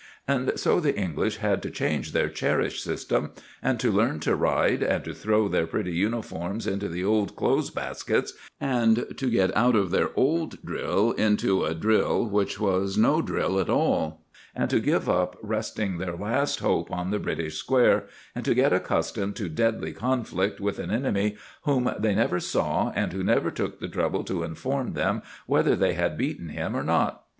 And so the English had to change their cherished system, and to learn to ride, and to throw their pretty uniforms into the old clothes baskets, and to get out of their old drill into a drill which was no drill at all, and to give up resting their last hope on the British square, and to get accustomed to deadly conflict with an enemy whom they never saw and who never took the trouble to inform them whether they had beaten him or not.